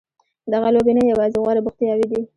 دغه لوبې نه یوازې غوره بوختیاوې دي.